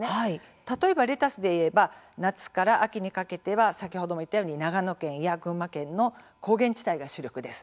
例えばレタスでいえば夏から秋にかけては先ほども言ったように長野県や群馬県の高原地帯が主力です。